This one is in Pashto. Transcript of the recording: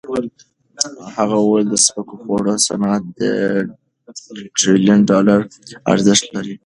هغه وویل د سپکو خوړو صنعت د ټریلیون ډالرو ارزښت لري.